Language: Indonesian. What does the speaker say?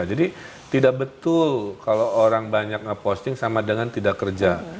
jadi tidak betul kalau orang banyak ngeposting sama dengan tidak kerja